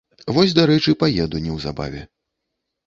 Вось, дарэчы, паеду неўзабаве.